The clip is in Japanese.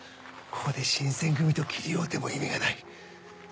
ここで新撰組と斬り合うても意味がない。